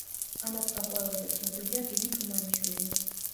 ამათგან ყველაზე ცნობილია გივი თუმანიშვილი.